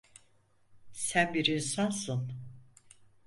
Sen bir insansın.